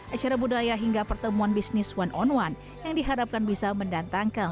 acara budaya hingga pertemuan bisnis one on one yang diharapkan bisa mendatangkan